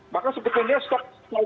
maka sebetulnya setelah